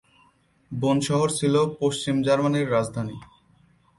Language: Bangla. বন শহর ছিল পশ্চিম জার্মানির রাজধানী।